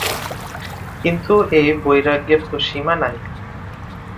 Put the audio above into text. কিন্তু এই বৈরাগ্যের তো সীমা নাই।